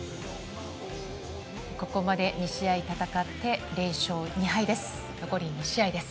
ここまで２試合戦って連勝２敗です。